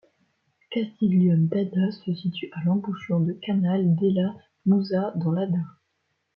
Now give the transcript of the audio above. Castiglione d’Adda se situe à l’embouchure du Canale della Muzza dans l’Adda.